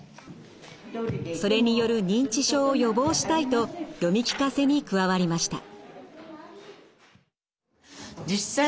それによる認知症を予防したいと読み聞かせに加わりました。